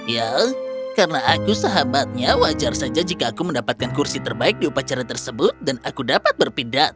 ya karena aku sahabatnya wajar saja jika aku mendapatkan kursi terbaik di upacara tersebut dan aku dapat berpindah